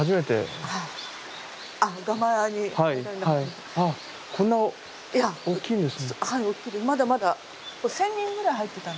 まだまだこれ１，０００人ぐらい入ってたので。